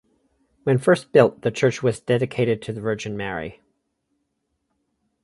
When first built the church was dedicated to the Virgin Mary.